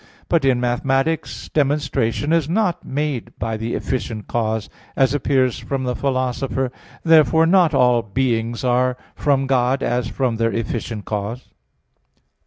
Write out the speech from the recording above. But in mathematics demonstration is not made by the efficient cause, as appears from the Philosopher (Metaph. iii, text 3); therefore not all beings are from God as from their efficient cause.